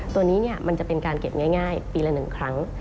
ตัวนี้มันจะเป็นการเก็บง่ายปีละ๑ครั้ง